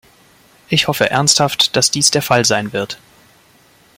Ich hoffe ernsthaft, dass dies der Fall sein wird.